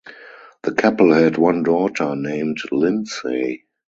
The couple had one daughter, named Lindsay.